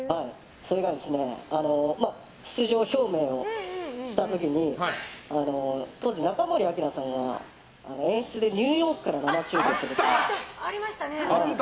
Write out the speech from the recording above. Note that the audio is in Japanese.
それが、出場表明をした時に当時、中森明菜さんが演出でニューヨークから生出演しましたよね。